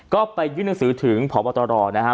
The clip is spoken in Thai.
ก็ไปยื่นหนังสือถึงพบตรนะฮะ